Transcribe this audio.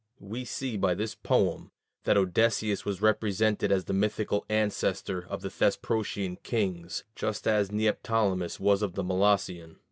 We see by this poem that Odysseus was represented as the mythical ancestor of the Thesprotian kings, just as Neoptolemus was of the Molossian.